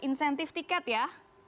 insentif tiket ya